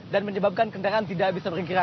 dan menyebabkan kendaraan tidak bisa berkira